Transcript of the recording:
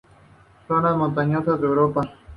Zonas montañosas de Europa.